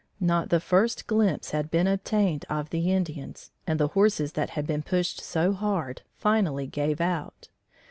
Not the first glimpse had been obtained of the Indians, and the horses that had been pushed so hard finally gave out.